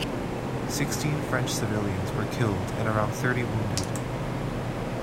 Sixteen French civilians were killed and around thirty wounded.